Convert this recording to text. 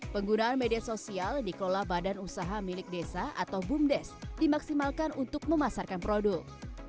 penggunaan media sosial dikelola badan usaha milik desa atau bumdes dimaksimalkan untuk memasarkan produk